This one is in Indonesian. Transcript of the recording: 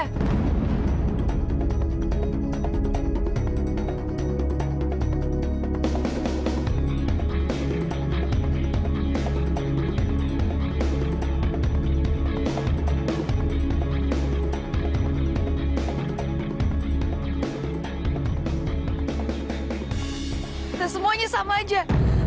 kita semuanya sama aja